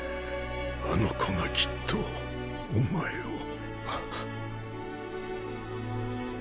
あの子がきっとお前を。